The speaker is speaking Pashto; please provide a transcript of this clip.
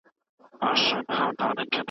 ایلي پرېکړه وکړه چې هېڅ خوب ته اړتیا نه لري.